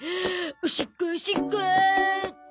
おしっこおしっこおお？